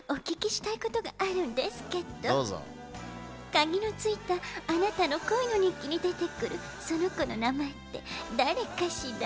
鍵のついたあなたの恋の日記に出てくるその娘の名前ってだれかしら？